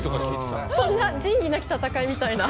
そんな「仁義なき戦い」みたいな。